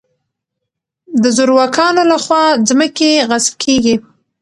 د زورواکانو له خوا ځمکې غصب کېږي.